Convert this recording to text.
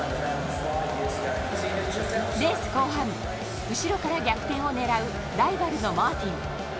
レース後半、後ろから逆転を狙うライバルのマーティン。